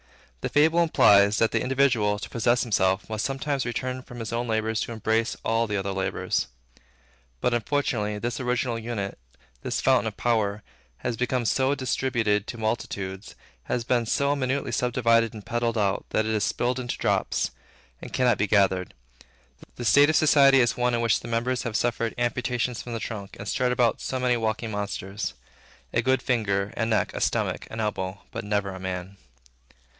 The fable implies, that the individual, to possess himself, must sometimes return from his own labor to embrace all the other laborers. But unfortunately, this original unit, this fountain of power, has been so distributed to multitudes, has been so minutely subdivided and peddled out, that it is spilled into drops, and cannot be gathered. The state of society is one in which the members have suffered amputation from the trunk, and strut about so many walking monsters, a good finger, a neck, a stomach, an elbow, but never a man.